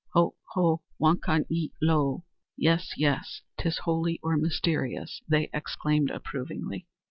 "Ho, ho, wakan ye lo! (Yes, yes, 'tis holy or mysterious)," they exclaimed approvingly.